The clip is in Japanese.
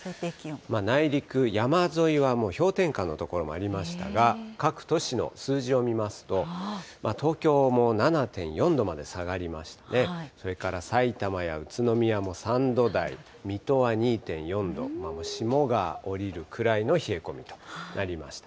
内陸、山沿いはもう氷点下の所もありましたが、各都市の数字を見ますと、東京も７．４度まで下がりまして、それからさいたまや宇都宮も３度台、水戸は２．４度、霜が降りるくらいの冷え込みとなりました。